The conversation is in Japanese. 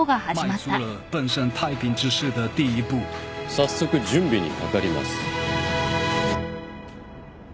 早速準備にかかります。